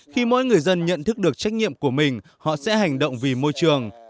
khi mỗi người dân nhận thức được trách nhiệm của mình họ sẽ hành động vì môi trường